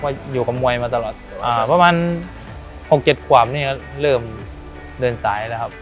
ก็อยู่กับมวยมาตลอดอ่าประมาณหกเจ็ดขวาบนี้ก็เริ่มเดินสายแล้วครับ